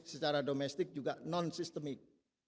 secara domestik juga non sistemik